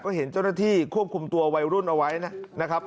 ก็เห็นเจ้าหน้าที่ควบคุมตัววัยรุ่นเอาไว้นะครับ